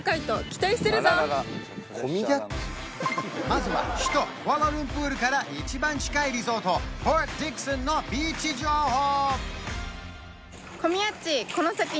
まずは首都クアラルンプールから一番近いリゾートポートディクソンのビーチ情報！